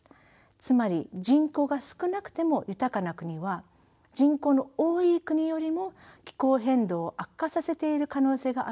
つまり人口が少なくても豊かな国は人口の多い国よりも気候変動を悪化させている可能性があるのです。